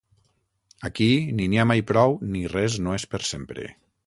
Aquí ni n'hi ha mai prou ni res no és per sempre.